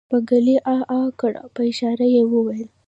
منګلي عاعاعا کړ په اشاره يې وويل.